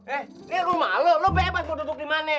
eh ini rumah lo lo bebas mau duduk di mana